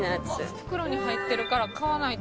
袋に入ってるから買わないと。